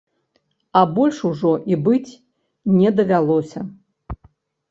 А больш ужо і быць не давялося.